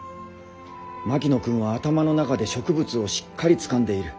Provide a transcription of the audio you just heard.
槙野君は頭の中で植物をしっかりつかんでいる。